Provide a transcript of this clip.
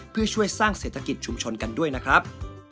เพื่อช่วยสร้างเศรษฐกิจชุมชนกันด้วยนะครับ